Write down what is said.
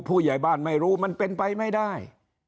ผู้ใหญ่บ้านไม่รู้มันเป็นไปไม่ได้